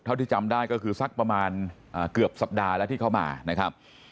เท่าที่จำได้ก็คือสักประมาณเกือบสัปดาห์แล้วที่เข้ามานะครับ